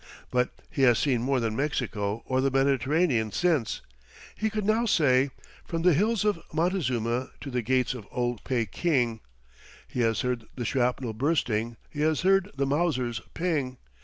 But he has seen more than Mexico or the Mediterranean since. He could now say: "From the hills of Montezuma to the gates of old Peking He has heard the shrapnel bursting, he has heard the Mauser's ping!